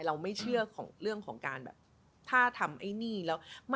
เราไม่เชื่อเรื่องของการ